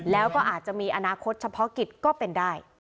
แล้วก็อาจจะมีอนาคตเฉพาะกิจก็เป็นได้